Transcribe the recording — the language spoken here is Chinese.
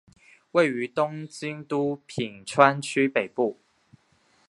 位于东京都品川区北部。